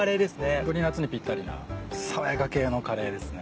ホントに夏にぴったりな爽やか系のカレーですね。